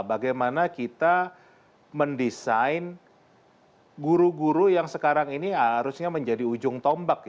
bagaimana kita mendesain guru guru yang sekarang ini harusnya menjadi ujung tombak